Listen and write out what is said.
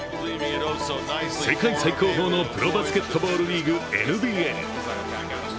世界最高峰のプロバスケットリーグＮＢＡ。